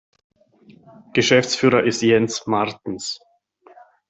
Geschäftsführer ist Jens Martens.